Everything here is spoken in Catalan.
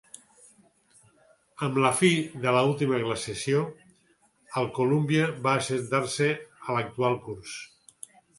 Amb la fi de l'última glaciació el Columbia va assentar-se a l'actual curs.